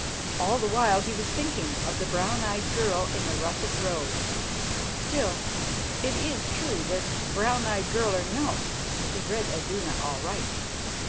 All the while he was thinking of the brown eyed girl in the russet robe. Still, it is true that, brown eyed girl or no, he read Iduna aright.